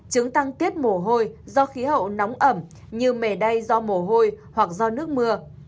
trứng tăng tiết mồ hôi do khí hậu nóng ẩm như mề đay do mồ hôi hoặc do nước mưa